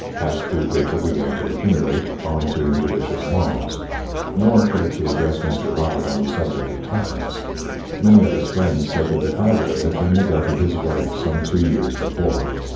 Past due paper began to accumulate, owing to injudicious loans. No one cared to address Mr. Robert on the subject of temperance. Many of his friends said that the cause of it had been the death of his wife some two years before.